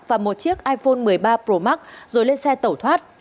và một chiếc iphone một mươi ba pro max rồi lên xe tẩu thoát